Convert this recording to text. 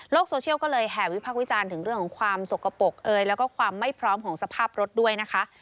โซเชียลก็เลยแห่วิพักษ์วิจารณ์ถึงเรื่องของความสกปรกเอยแล้วก็ความไม่พร้อมของสภาพรถด้วยนะคะ